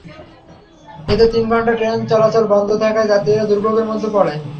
এতে তিন ঘণ্টা ট্রেন চলাচল বন্ধ থাকায় যাত্রীরা দুর্ভোগের মধ্যে পড়ে।